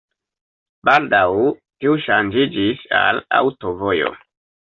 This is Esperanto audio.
Baldaŭ tiu ŝanĝiĝis al aŭtovojo.